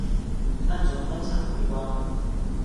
暗中观察围观